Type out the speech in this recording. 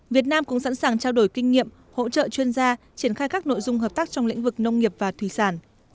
việt nam cũng sẵn sàng trao đổi kinh nghiệm hỗ trợ chuyên gia triển khai các nội dung hợp tác trong lĩnh vực nông nghiệp và thủy sản